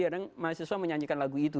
kadang mahasiswa menyanyikan lagu itu